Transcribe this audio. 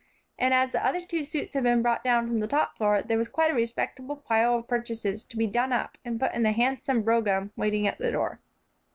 And as the other two suits had been brought down from the top floor, there was quite a respectable pile of purchases to be done up and put in the handsome brougham waiting at the door.